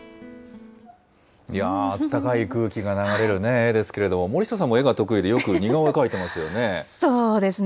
あったかい空気が流れる絵ですけれども、森下さんも絵が得意で、よく似顔絵描いてますよね。